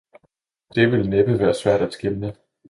Det ville næppe være svært at skelne.